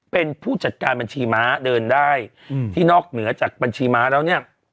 เป็นผู้จัดการบัญชีม้าเดินได้ที่นอกเหนือจากบัญชีม้าแล้วเนี่ย